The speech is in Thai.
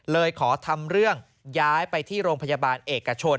เลยขอทำเรื่องย้ายไปที่โรงพยาบาลเอกชน